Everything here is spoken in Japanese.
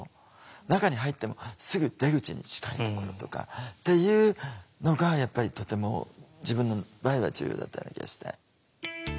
中に入ってもすぐ出口に近いところとかっていうのがやっぱりとても自分の場合は重要だったような気がして。